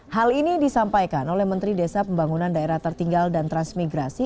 hal ini disampaikan oleh menteri desa pembangunan daerah tertinggal dan transmigrasi